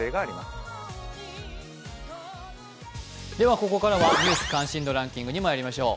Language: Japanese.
ここからは「ニュース関心度ランキング」にまいりましょう。